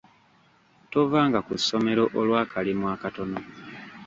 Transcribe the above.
Tovanga ku ssomero olw'akalimu akatono.